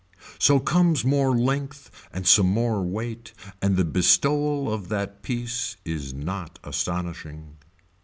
So comes more length and some more weight and the bestowal of that piece is not astonishing.